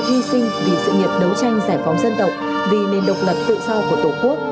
hy sinh vì sự nghiệp đấu tranh giải phóng dân tộc vì nền độc lập tự do của tổ quốc